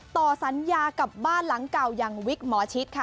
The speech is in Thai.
ต่อสัญญากับบ้านหลังเก่าอย่างวิกหมอชิดค่ะ